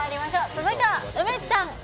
続いては梅ちゃん。